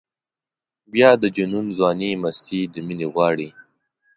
بیا د جنون ځواني مستي د مینې غواړي.